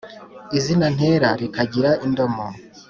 izina ntera rikagira indomo,